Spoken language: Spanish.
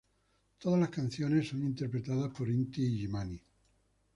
Todas las canciones son interpretadas por Inti-Illimani.